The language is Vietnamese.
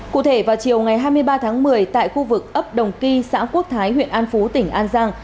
cụ thể vào chiều ngày hai mươi ba tháng một mươi tại khu vực ấp đồng ky xã quốc thái huyện an phú tỉnh an giang